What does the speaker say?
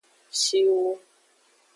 Shiwu.